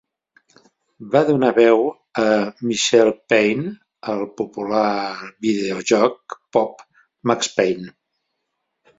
Va donar veu a Michelle Payne al popular videojoc pop "Max Payne".